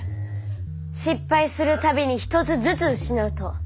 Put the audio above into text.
失敗するたびにひとつずつ失うと。